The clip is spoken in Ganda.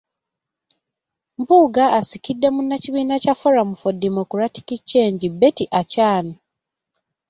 Mpuuga asikidde munnakibiina kya Forum for Democratic Change, Betty Achan.